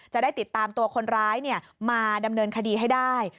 จะได้ติดตามตัวคนร้ายมาดำเนินคดีให้ได้